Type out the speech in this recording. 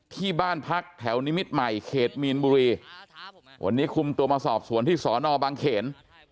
ที่บ้านพักแถวนิมิตรใหม่เขตมีนบุรีวันนี้คุมตัวมาสอบสวนที่สอนอบางเขน